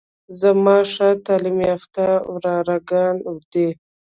زما ښه تعليم يافته وراره ګان دي.